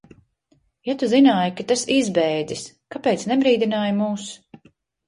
Ja tu zināji, ka tas izbēdzis, kāpēc nebrīdināji mūs?